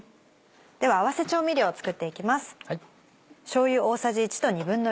では合わせ調味料を作っていきます。